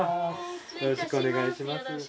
よろしくお願いします。